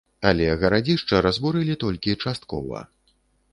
Але гарадзішча разбурылі толькі часткова.